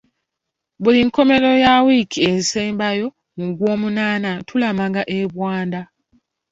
Buli nkomerero ya wiiki esembayo mu Gwomunaana tulamaga e Bwanda.